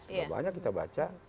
sudah banyak kita baca